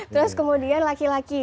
terus kemudian laki laki